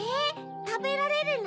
⁉たべられるの？